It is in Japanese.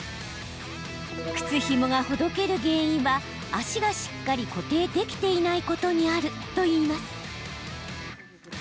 靴ひもがほどける原因は足がしっかり固定できていないことにあるといいます。